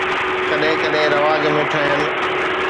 ڪڏهن ڪڏهن رواج ۾ ٺهيل